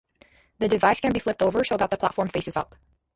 The device can be flipped over so that the platform faces up.